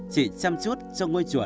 chỉ chăm chút cho ngôi chùa